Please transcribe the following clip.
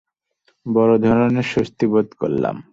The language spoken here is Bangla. বড় ধরনের স্বস্তি বোধ করলাম।